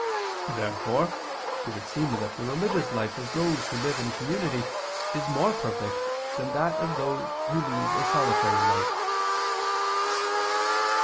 Therefore it would seem that the religious life of those who live in community is more perfect than that of those who lead a solitary life.